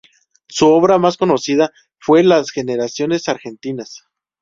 Su obra más conocida fue ""Las Generaciones Argentinas"".